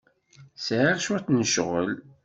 Sɛiɣ cwiṭ n ccɣel.